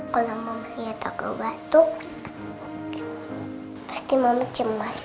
kalau mama liat aku batuk pasti mama cemas